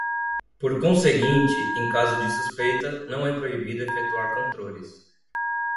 Por conseguinte, em caso de suspeita, não é proibido efetuar controles.